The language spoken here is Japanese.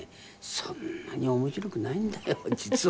そんなに面白くないんだよ実は。